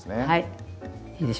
はい。